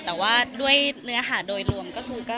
แต่ว่าด้วยเนื้อหาโดยรวมก็จะเป็นเหมือนเดิม